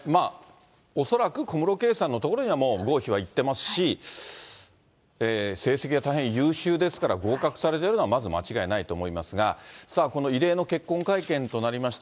恐らく小室圭さんの所には、もう合否はいってますし、成績は大変優秀ですから、合格されてるのはまず間違いないと思いますが、この異例の結婚会見となりました。